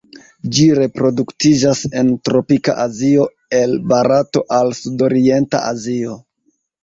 Ĝi reproduktiĝas en tropika Azio el Barato al Sudorienta Azio.